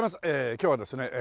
今日はですね